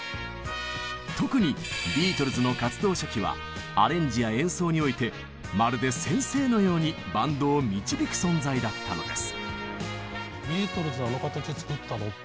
特にビートルズの活動初期はアレンジや演奏においてまるで先生のようにバンドを導く存在だったのです。